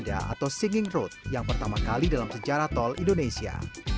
atau singing road yang pertama kali dalam sejarah tol indonesia